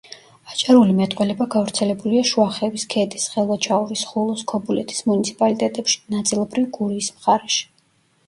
აჭარული მეტყველება გავრცელებულია შუახევის, ქედის, ხელვაჩაურის, ხულოს, ქობულეთის მუნიციპალიტეტებში, ნაწილობრივ გურიის მხარეში.